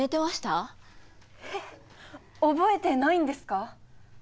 覚えてないんですか？